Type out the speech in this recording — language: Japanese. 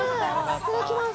いただきます。